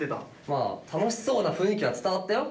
まあ楽しそうな雰囲気は伝わったよ。